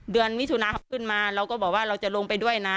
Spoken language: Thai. เดือนวิธุนาคมขึ้นมาเราก็บอกว่าเราจะลงไปด้วยนะ